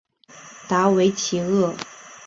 达韦齐厄。